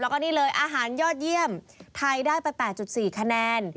แล้วก็นี่เลยอาหารยอดเยี่ยมไทยได้ไป๘๔คะแนน